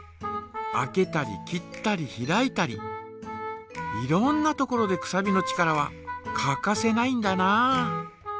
開けたり切ったり開いたりいろんなところでくさびの力は欠かせないんだな。